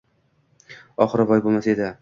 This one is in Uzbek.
Oxiri voy bo‘lmasa edi...